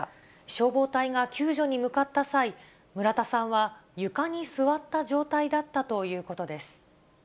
消防隊が救助に向かった際、村田さんは、床に座った状態だったということです。